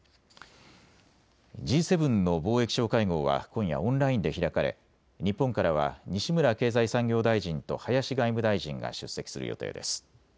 Ｇ７の貿易相会合は今夜、オンラインで開かれ日本からは西村経済産業大臣と林外務大臣が出席する予定です。